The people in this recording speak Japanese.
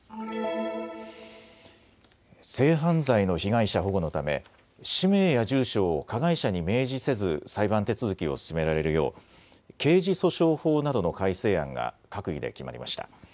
性犯罪の被害者保護のため氏名や住所を加害者に明示せず裁判手続きを進められるよう刑事訴訟法などの改正案が閣議で決まりました。